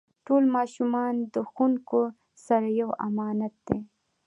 ټول ماشومان د ښوونکو سره یو امانت دی.